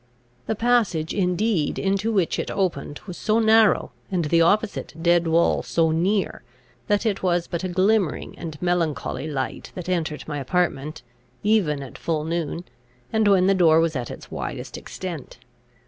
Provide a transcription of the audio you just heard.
The passage indeed into which it opened, was so narrow, and the opposite dead wall so near, that it was but a glimmering and melancholy light that entered my apartment, even at full noon, and when the door was at its widest extent.